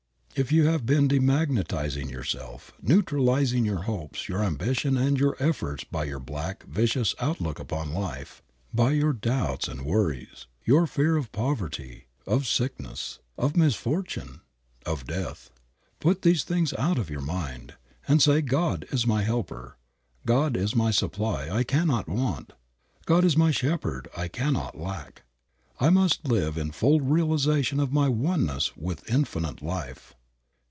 If you have been demagnetizing yourself, neutralizing your hopes, your ambition and your efforts by your black, vicious outlook upon life, by your doubts, and worries, your fear of poverty, of sickness, of misfortune, of death, put these things out of your mind, and say, "God is my helper. God is my supply, I cannot want. God is my shepherd, I cannot lack. I must live in full realization of my oneness with Infinite Life."